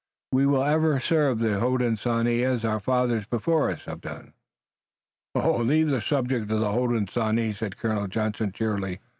"We will ever serve the Hodenosaunee as our fathers before us have done." "Leave the subject of the Hodenosaunee," said Colonel Johnson cheerily.